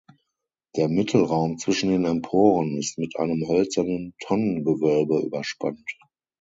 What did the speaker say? Der Mittelraum zwischen den Emporen ist mit einem hölzernen Tonnengewölbe überspannt.